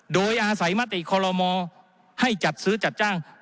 โดยอาศัยมติคอลโลมอให้จัดซื้อจัดจ้าง